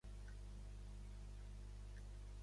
El seu cognom és Paris: pe, a, erra, i, essa.